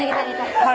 はい！